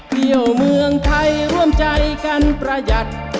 เที่ยวเมืองไทยร่วมใจกันประหยัด